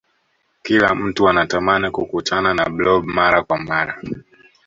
kila mtu anatamani kukutana na blob mara kwa mara